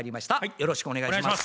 よろしくお願いします。